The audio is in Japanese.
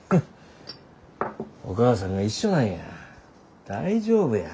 お義母さんが一緒なんや大丈夫や。